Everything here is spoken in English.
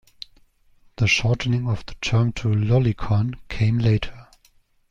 The shortening of the term to "lolicon" came later.